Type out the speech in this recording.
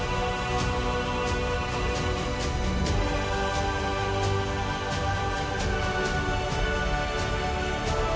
โปรดติดตามตอนต่อไป